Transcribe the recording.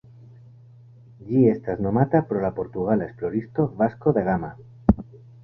Ĝi estas nomata pro la portugala esploristo Vasco da Gama.